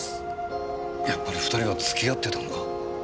やっぱり２人は付き合ってたのか。